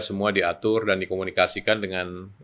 semua diatur dan dikomunikasikan dengan